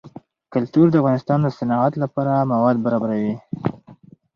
کلتور د افغانستان د صنعت لپاره مواد برابروي.